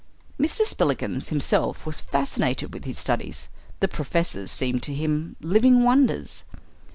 Mr. Spillikins himself was fascinated with his studies. The professors seemed to him living wonders.